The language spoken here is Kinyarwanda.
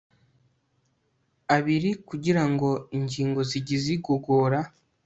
abiri kugira ngo ingingo zigize igogora